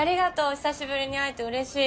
久しぶりに会えて嬉しい。